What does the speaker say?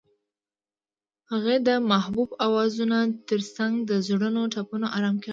هغې د محبوب اوازونو ترڅنګ د زړونو ټپونه آرام کړل.